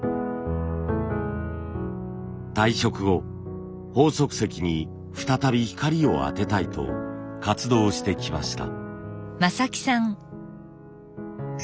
退職後鳳足石に再び光を当てたいと活動してきました。